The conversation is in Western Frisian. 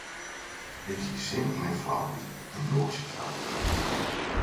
Hy hie sin oan in flaubyt, in broadsje of sa.